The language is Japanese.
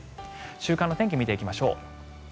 週間の天気を見ていきましょう。